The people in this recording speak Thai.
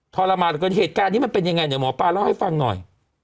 ทรมานกว่าเหตุการณ์นี้มันเป็นยังไงเนี่ยหมอป้าเล่าให้ฟังหน่อย